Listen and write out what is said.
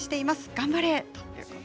頑張れ！